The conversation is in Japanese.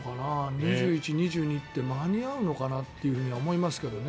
２１、２２って間に合うのかなって思いますけどね。